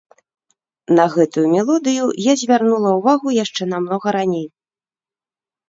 На гэтую мелодыю я звярнула ўвагу яшчэ намнога раней.